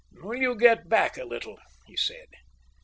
"Will you get back a little," he said.